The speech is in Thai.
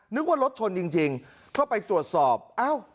นึกว่ารถชนจริงก็ไปตรวจสอบอ้าว